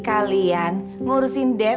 kalian ngurusin def